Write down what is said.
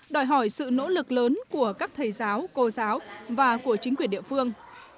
đòi hỏi sự nỗ lực lớn của các thầy giáo cô giáo và của chính quyền địa phương